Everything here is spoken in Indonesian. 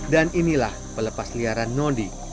dan inilah pelepasliaran nody